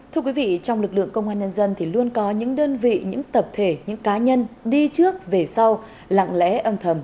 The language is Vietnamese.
thưa quý vị trong lực lượng công an nhân dân thì luôn có những đơn vị những tập thể những cá nhân đi trước về sau lặng lẽ âm thầm